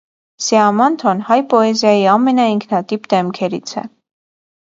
Սիամանթոն հայ պոեզիայի ամենաինքնատիպ դեմքերից է։